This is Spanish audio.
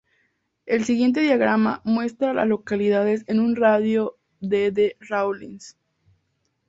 El siguiente diagrama muestra a las localidades en un radio de de Rawlins.